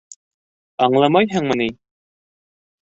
Аңламайһыңмы ни?!